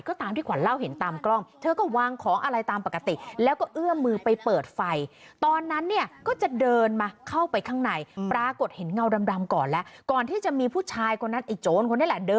ก็ตามที่ขวานเล่าเห็นตามกล้อง